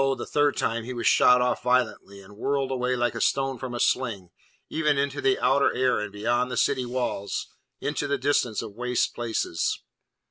the third time he was shot off violently, and whirled away like a stone from a sling, even into the outer air and beyond the city walls, into the distance of waste places.